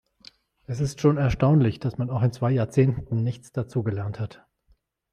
Es ist schon erstaunlich, dass man auch in zwei Jahrzehnten nichts dazu gelernt hat.